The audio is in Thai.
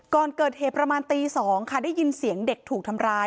ก่อนเกิดเหตุประมาณตี๒ค่ะได้ยินเสียงเด็กถูกทำร้าย